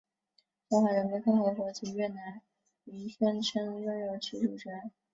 中华人民共和国及越南均宣称拥有其主权。